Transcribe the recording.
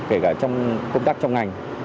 kể cả trong công tác trong ngành